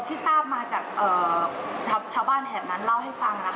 ที่ทราบมาจากชาวบ้านแถบนั้นเล่าให้ฟังนะคะ